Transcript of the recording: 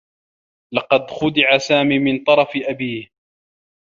لقد خُدع سامي من طرف أبيه.